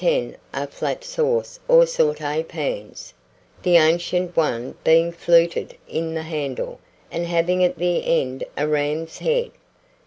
9 and 10 are flat sauce or sauté pans, the ancient one being fluted in the handle, and having at the end a ram's head.